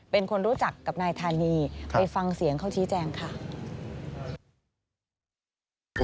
เป็นคนรู้จักกับนายธานีไปฟังเสียงเขาชี้แจงค่ะ